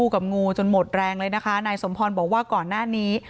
กับงูจนหมดแรงเลยนะคะนายสมพรบอกว่าก่อนหน้านี้